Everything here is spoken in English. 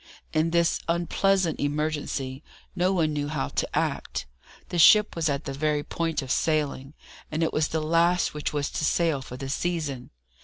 In this unpleasant emergency, no one knew how to act. The ship was at the very point of sailing, and it was the last which was to sail for the season.